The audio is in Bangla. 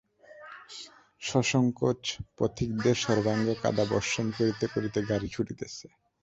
সসংকোচ পথিকদের সর্বাঙ্গে কাদা বর্ষণ করিতে করিতে গাড়ি ছুটিতেছে।